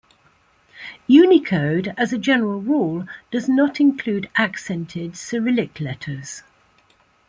Unicode as a general rule does not include accented Cyrillic letters.